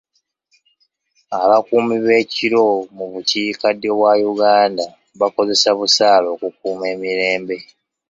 Ab'akuumi b'ekiro mu bukiika ddyo bwa Uganda bakozesa busaale okukuuma emirembe.